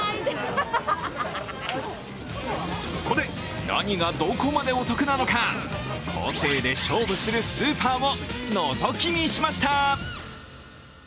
そこで、何がどこまでお得なのか個性で勝負するスーパーをのぞき見しました。